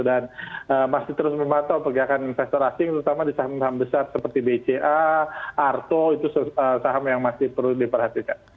dan masih terus mematuhi pergerakan investor asing terutama di saham saham besar seperti bca arto itu saham yang masih perlu diperhatikan